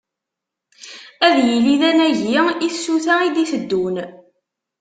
Ad yili d anagi i tsuta i d-iteddun.